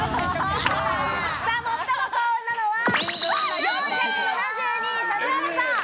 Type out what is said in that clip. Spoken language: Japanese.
最も幸運なのは４７２位、指原さん。